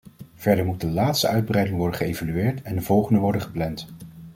Verder moet de laatste uitbreiding worden geëvalueerd en de volgende worden gepland.